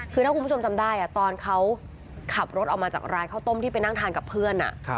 คือถ้าคุณผู้ชมจำได้ตอนเขาขับรถออกมาจากร้านข้าวต้มที่ไปนั่งทานกับเพื่อน